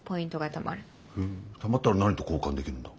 へえたまったら何と交換できるんだ？